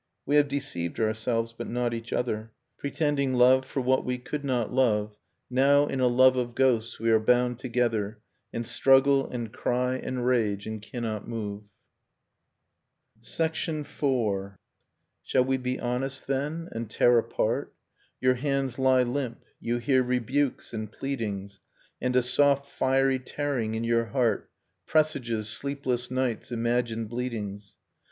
We have deceived ourselves, but not each other: Pretending love for what we could not love, Now in a love of ghosts we are bound together And struggle and cry and rage, and cannot move. Episode in Grey VI. Shall we be honest then, and tear apart? ... Your hands lie limp, you hear rebukes and pleadings, And a soft fiery tearing in your heart Presages sleepless nights, imagined bleedings